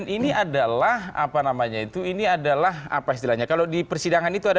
ini adalah apa namanya itu ini adalah apa istilahnya kalau di persidangan itu ada